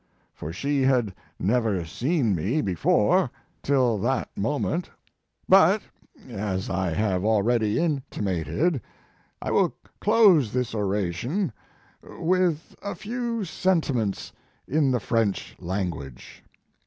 For she had never seen me before till that moment. But, as I have already intimated, I will close this oration with a few sentiments in the French language.